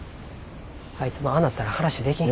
あいつもああなったら話できん。